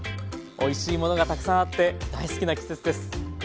おいしいものがたくさんあって大好きな季節です。